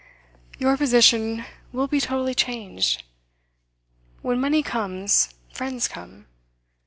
'Your position will be totally changed. When money comes, friends come.